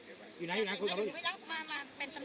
อยู่ไหนอยู่ไหนคุยกันด้วย